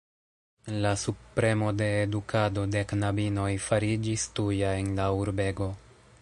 La subpremo de edukado de knabinoj fariĝis tuja en la urbego.